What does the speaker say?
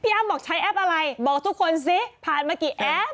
อ้ำบอกใช้แอปอะไรบอกทุกคนสิผ่านมากี่แอป